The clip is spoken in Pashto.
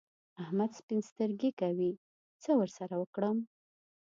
احمد سپين سترګي کوي؛ څه ور سره وکړم؟!